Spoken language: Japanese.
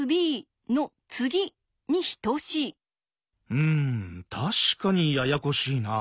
うん確かにややこしいな。